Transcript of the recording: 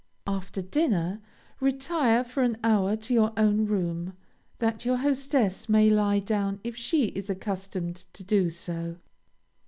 After dinner, retire for an hour to your own room, that your hostess may lie down if she is accustomed to do so.